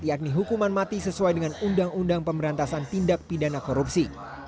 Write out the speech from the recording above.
yakni hukuman mati sesuai dengan undang undang pemberantasan tindak pidana korupsi